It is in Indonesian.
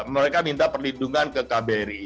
mereka minta perlindungan ke kbri